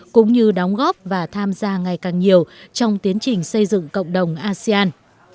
cũng như đóng góp và tham gia ngày càng nhiều trong tiến trình xây dựng cộng đồng asean